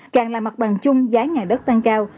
càng là mặt bằng chung giá nhà đất tăng cao